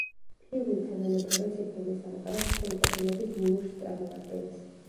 ფილმი თანამედროვე ციფრული სამყაროს სრულყოფილების ნიმუშს წარმოადგენს.